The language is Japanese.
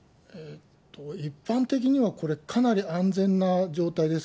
一般的にはこれ、かなり安全な状態です。